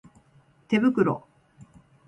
手袋